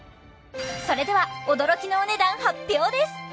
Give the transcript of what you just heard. それでは驚きのお値段発表です